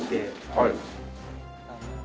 はい。